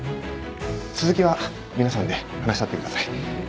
続きは皆さんで話し合ってください。